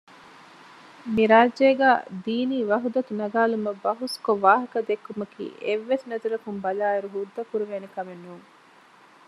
މި ރާއްޖޭގައި ދީނީ ވަޙުދަތު ނަގައިލުމަށް ބަހުސްކޮށް ވާހަކަދެއްކުމަކީ އެއްވެސް ނަޒަރަކުން ބަލާއިރު ހުއްދަކުރެވޭނެ ކަމެއް ނޫން